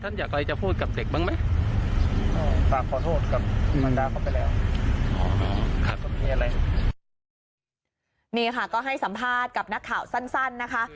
นี่ค่ะก็ให้สัมภาษณ์กับนักข่าวสั้นนะคะ